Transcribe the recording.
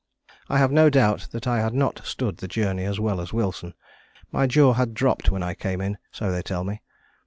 I have no doubt that I had not stood the journey as well as Wilson: my jaw had dropped when I came in, so they tell me.